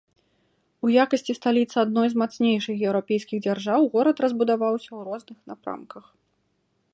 У якасці сталіцы адной з мацнейшых еўрапейскіх дзяржаў горад разбудоўваўся ў розных напрамках.